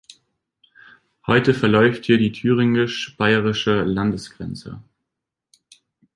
Heute verläuft hier die thüringisch-bayerische Landesgrenze.